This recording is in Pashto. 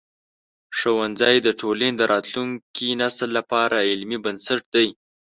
ښوونځی د ټولنې د راتلونکي نسل لپاره علمي بنسټ دی.